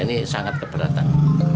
ini sangat keberatan